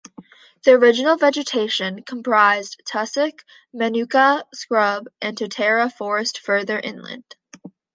The original vegetation comprised tussock, manuka scrub and totara forest further inland.